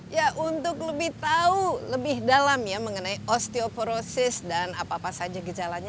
ya untuk lebih tahu lebih dalam ya mengenai osteoporosis dan apa apa saja gejalanya